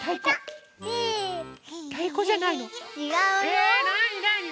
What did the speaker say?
えなになに？